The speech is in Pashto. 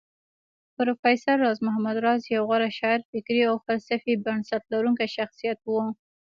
پروفېسر راز محمد راز يو غوره شاعر فکري او فلسفي بنسټ لرونکی شخصيت و